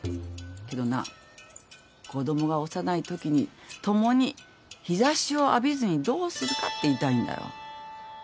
けどな子供が幼いときに共に日差しを浴びずにどうするかって言いたいんだよ。